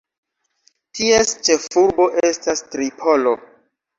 Ties ĉefurbo estas Tripolo.